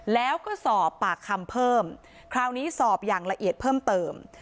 แล้วก็สอบปากคำเพิ่มคราวนี้สอบอย่างละเอียดเพิ่มเติม